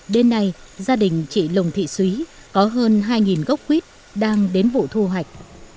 đến nay gia đình chị lồng thị xúy có hơn hai gốc quýt đang đến vụ thu hoạch